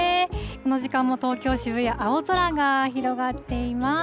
この時間も東京・渋谷、青空が広がっています。